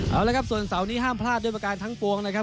เอาละครับส่วนเสาร์นี้ห้ามพลาดด้วยประการทั้งปวงนะครับ